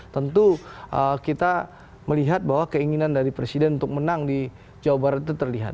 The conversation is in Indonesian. tentu kita melihat bahwa keinginan dari presiden untuk menang di jawa barat itu terlihat